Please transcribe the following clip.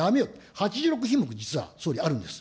８６品目、実は総理、あるんです。